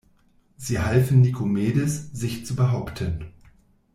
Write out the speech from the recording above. Sie halfen Nikomedes, sich zu behaupten.